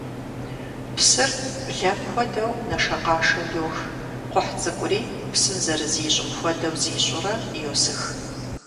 Псыр, блэм хуэдэу, нэшэкъашэу йох, кхъухь цӀыкӀури, псым зэрызищӀым хуэдэу зищӀурэ, йосых.